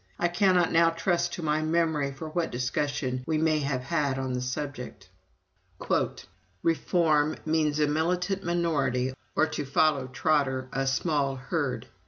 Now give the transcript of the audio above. I cannot now trust to my memory for what discussions we may have had on the subject. "Reform means a militant minority, or, to follow Trotter, a small Herd.